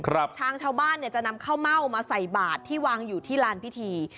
ทางชาวบ้านเนี่ยจะนำข้าวเม่ามาใส่บาทที่วางอยู่ที่ลานพิธี